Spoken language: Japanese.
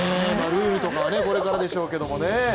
ルールとかはこれからでしょうけどもね。